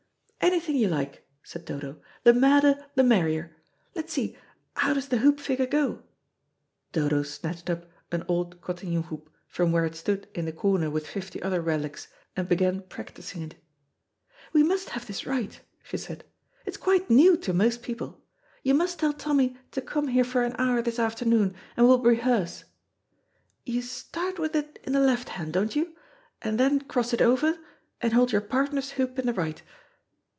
"Anything you like," said Dodo; "the madder the merrier. Let's see, how does the hoop figure go?" Dodo snatched up an old cotillion hoop from where it stood in the corner with fifty other relics, and began practising it. "We must have this right," she said; "it's quite new to most people. You must tell Tommy to come here for an hour this afternoon, and we'll rehearse. You start with it in the left hand, don't you? and then cross it over, and hold your partner's hoop in the right.